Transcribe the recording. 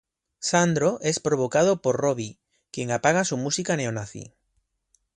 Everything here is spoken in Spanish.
Sandro es provocado por Robbie, quien apaga su música neonazi.